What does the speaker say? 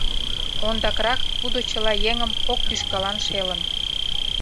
Ондакрак тудо чыла еҥым кок тӱшкалан шелын.